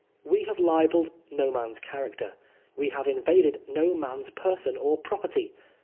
.We have libelled no man's chiu^acter, we have invaded no man's person or property.